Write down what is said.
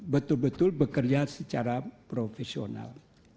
betul betul bekerja secara profesional